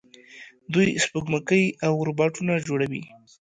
دوی سپوږمکۍ او روباټونه جوړوي.